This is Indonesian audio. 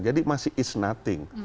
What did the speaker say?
jadi masih is nothing